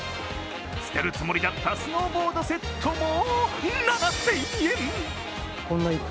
捨てるつもりだったスノーボードセットも７０００円。